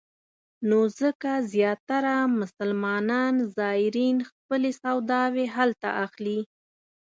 نو ځکه زیاتره مسلمان زایرین خپلې سوداوې هلته اخلي.